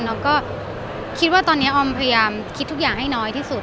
แล้วก็คิดว่าตอนนี้ออมพยายามคิดทุกอย่างให้น้อยที่สุด